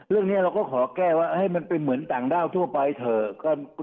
เรื่องนี้เราก็ขอแก้ว่าให้มันเป็นเหมือนต่างด้าวทั่วไปเถอะ